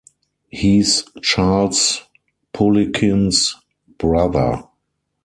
He's Charles Poliquin's brother.